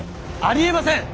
ありえません！